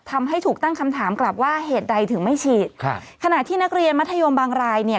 ทำให้ถูกตั้งคำถามกลับว่าเหตุใดถึงไม่ฉีดครับขณะที่นักเรียนมัธยมบางรายเนี่ย